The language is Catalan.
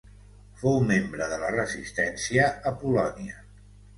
Fou membre de la Resistència a Polònia.